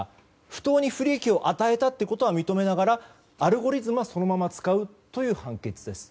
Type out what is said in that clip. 不当に不利益を与えたことは認めながらアルゴリズムはそのまま使うという判決です。